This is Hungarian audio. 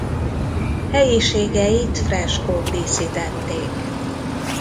Helyiségeit freskók díszítették.